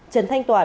trần thanh toàn